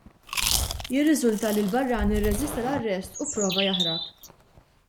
Jirriżulta li l-barrani rreżista l-arrest u pprova jaħrab.